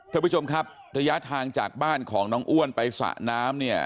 ท่านผู้ชมครับระยะทางจากบ้านของน้องอ้วนไปสระน้ำเนี่ย